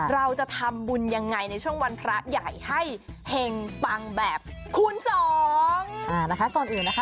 เราจะทำบุญยังไงในช่วงวันพระใหญ่ให้เห็งปังแบบคูณสองอ่านะคะก่อนอื่นนะคะ